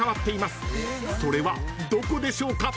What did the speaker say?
［それはどこでしょうか？］